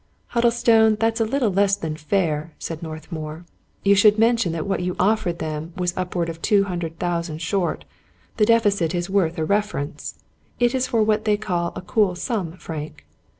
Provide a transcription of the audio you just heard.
" Huddlestone, that's a little less than fair," said North mour. " You should mention that what you offered them was upward of two hundred thousand short. The deficit is worth a reference ; it is for what they call a cool sum, Frank.